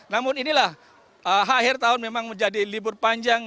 namun inilah akhir tahun memang menjadi libur panjang